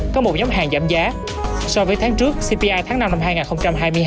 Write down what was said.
có một nhóm hàng giảm giá so với tháng trước cpi tháng năm năm hai nghìn hai mươi hai tăng ba mươi tám